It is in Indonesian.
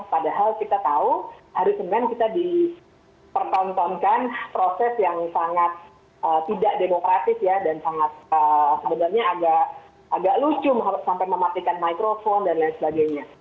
padahal kita tahu hari ke sembilan kita dipertontonkan proses yang sangat tidak demokratis dan sebenarnya agak lucu sampai mematikan mikrofon dan lain sebagainya